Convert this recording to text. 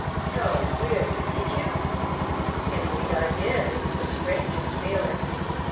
"No! Really? Did you?" "Indeed I did. It was the strangest feeling!"